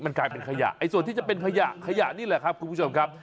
กลายเป็นขยะส่วนที่จะเป็นขยะขยะนี่แหละครับคุณผู้ชมครับ